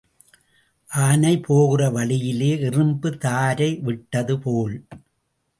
ஆனை போகிற வழியிலே எறும்பு தாரை விட்டது போல்.